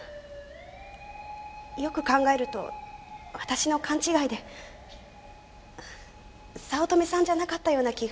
よく考えると私の勘違いで早乙女さんじゃなかったような気が。